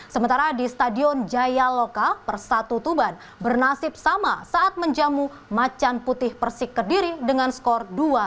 sementara di stadion jaya loka persatu tuban bernasib sama saat menjamu macan putih persik kediri dengan skor dua satu